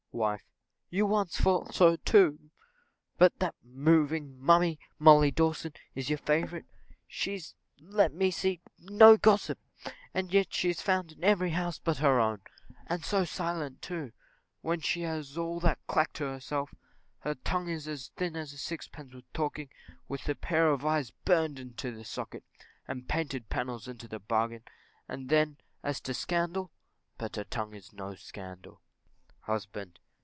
Wife. You once thought so; but that moving mummy, Molly Dawson, is your favourite. She's, let me see, no gossip, and yet she's found in every house but her own; and so silent too, when she has all the clack to herself; her tongue is as thin as a sixpence with talking; with a pair of eyes burned into the socket, and painted panels into the bargain; and then as to scandal but her tongue is no scandal. _Husband.